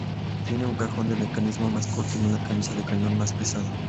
Tiene un cajón de mecanismos más corto y una camisa de cañón más pesada.